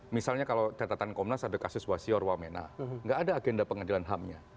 misalnya kalau catatan komnas ada kasus wasior wamena nggak ada agenda pengadilan hamnya